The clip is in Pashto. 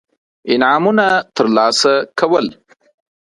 انعامونه ترلاسه کول.